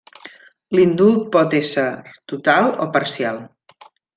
L'indult pot ésser total o parcial.